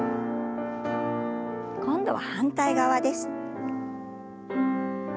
今度は反対側です。